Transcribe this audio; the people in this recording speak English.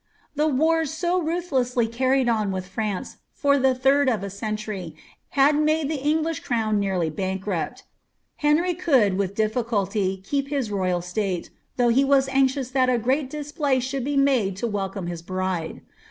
The wars so ruthlessly carried on with France for lb'* third of a cen tury, had made the English crown nearly bankrupt. Henry cmild with difficulty keep his royal state, though he was anxious that «i great dis play should be made to welcome his bride.